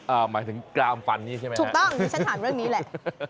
หมายถึงกรามฟันนี้ใช่ไหมถูกต้องดิฉันถามเรื่องนี้แหละ